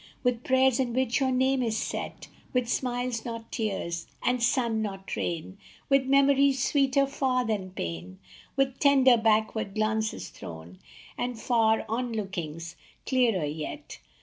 With prayers in which your name is set ; With smiles, not tears ; and sun, not rain ; With memories sweeter far than pain, With tender backward glances thrown, And far on lookings, clearer yet.